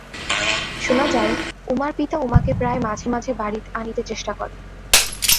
শুনা যায়, উমার পিতা উমাকে প্রায় মাঝে মাঝে বাড়ি আনিতে চেষ্টা করেন।